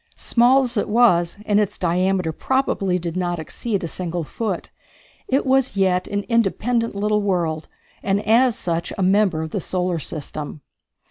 Small as it was, and its diameter probably did not exceed a single foot, it was yet an independent little world, and as such a member of the solar system.